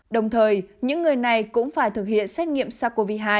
đồng thời những người này cũng phải thực hiện xét nghiệm sars cov hai